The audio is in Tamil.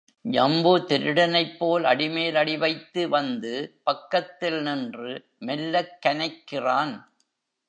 ஜம்பு திருடனைப் போல் அடிமேல் அடிவைத்து வந்து பக்கத்தில் நின்று மெல்லக் கனைக்கிறான்.